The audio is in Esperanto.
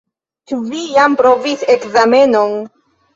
Ĉu vi jam provis ekzamenon?